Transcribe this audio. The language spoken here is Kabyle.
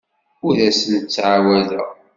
Ur asen-d-ttɛawadeɣ.